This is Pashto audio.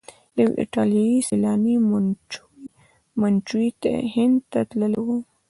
یو ایټالیایی سیلانی منوچي هند ته تللی و.